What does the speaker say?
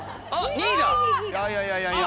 いやいやいやいや。